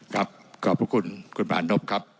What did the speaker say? ครับขอบพระคุณคุณบาหนบครับ